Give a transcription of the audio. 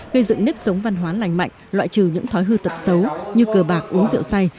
gây dựng nếp sống văn hóa lành mạnh loại trừ những thói hư tật xấu như cờ bạc uống rượu say